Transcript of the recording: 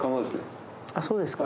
あっそうですか。